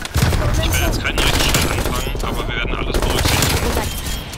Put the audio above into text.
Ich werde jetzt keinen Rechtsstreit anfangen, aber wir werden alles berücksichtigen.